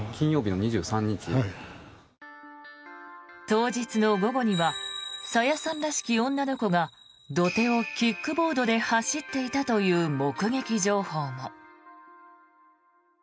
当日の午後には朝芽さんらしき女の子が土手をキックボードで走っていたという目撃情報も。